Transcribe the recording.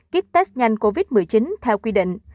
kích test nhanh covid một mươi chín theo quy định